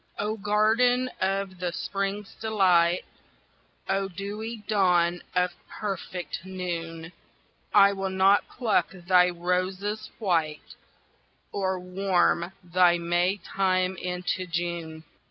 Oh, garden of the Spring's delight! Oh, dewy dawn of perfect noon! I will not pluck thy roses white Or warm thy May time into June.